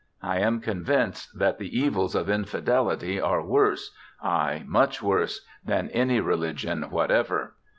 I am convinced that the evils of infidelity are worse— ay, much worse— than any religion whatever.